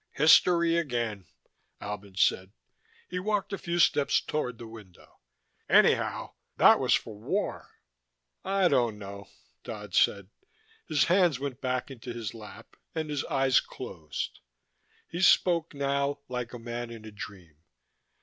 "History again," Albin said. He walked a few steps toward the window. "Anyhow, that was for war." "I don't know," Dodd said. His hands went back into his lap, and his eyes closed. He spoke, now, like a man in a dream.